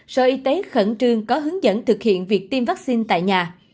sở y tế khẩn trương có hướng dẫn thực hiện việc tiêm vaccine tại nhà